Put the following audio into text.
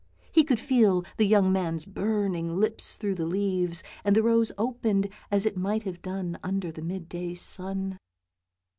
He could feel the young man's burning lips through the leaves, and the rose opened as it might have done under the midday sun.